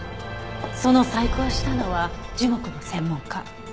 その細工をしたのは樹木の専門家。